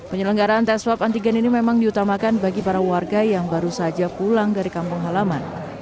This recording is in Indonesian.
penyelenggaraan tes swab antigen ini memang diutamakan bagi para warga yang baru saja pulang dari kampung halaman